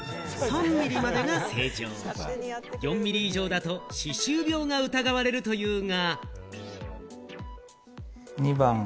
３ミリまでが正常、４ミリ以上だと歯周病が疑われるというが。